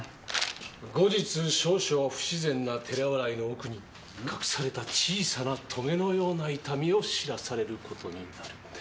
「後日少々不自然な照れ笑いの奥に隠された小さな棘のような痛みを知らされる事になる」